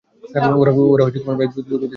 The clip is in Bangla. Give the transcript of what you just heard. ওরা বেশ দ্রুত গতিতে আগাচ্ছে।